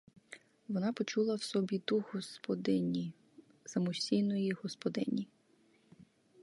Вона почула в собі дух господині, самостійної господині.